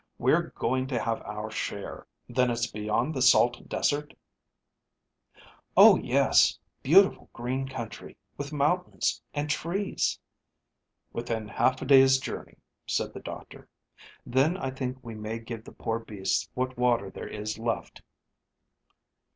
"We're going to have our share. Then it's beyond the salt desert?" "Oh yes. Beautiful green country, with mountains and trees." "Within half a day's journey," said the doctor. "Then I think we may give the poor beasts what water there is left."